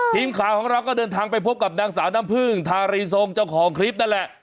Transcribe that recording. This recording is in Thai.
ทีมข่าวของเราก็เดินทางไปพบกับนางสาวน้ำพึ่งทารีทรงเจ้าของคลิปนั่นแหละ